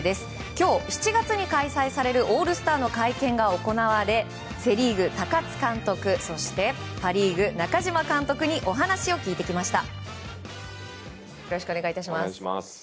今日、７月に開催されるオールスターの会見が行われセ・リーグ、高津監督そしてパ・リーグ中嶋監督にお話を聞いてきました。